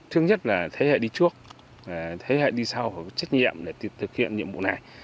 thứ nhất là thế hệ đi trước thế hệ đi sau phải có trách nhiệm để thực hiện nhiệm vụ này